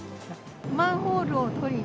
マンホールを撮りに。